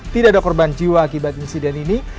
tidak ada korban jiwa akibat insiden ini